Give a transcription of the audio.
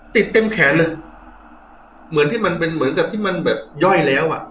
เต็มแขนเลยเหมือนที่มันเป็นเหมือนกับที่มันแบบย่อยแล้วอ่ะ